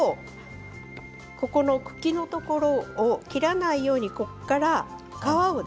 茎のところを切らないように、ここから皮を。